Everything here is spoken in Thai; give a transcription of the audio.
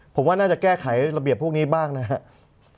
ผมว่าน่าจะแก้ไขระเบียบพวกนี้บ้างนะครับ